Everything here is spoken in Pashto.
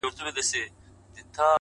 زړه راته زخم کړه ـ زارۍ کومه ـ